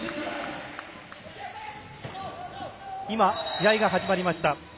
今、試合が始まりました。